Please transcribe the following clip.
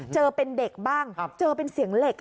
เจอเป็นเด็กบ้างเจอเป็นเสียงเหล็ก